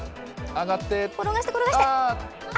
転がして、転がして。